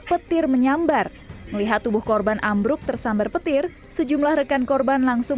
petir menyambar melihat tubuh korban ambruk tersambar petir sejumlah rekan korban langsung